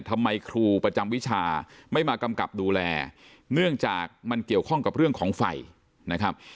ทำไมครูประจำวิชาไม่มากำกับดูแลเนื่องจากมันเกี่ยวข้องกับเรื่องของไฟนะครับ